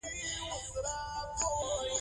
ماشومان د لوبو له لارې د ټولنې سره تړاو احساسوي.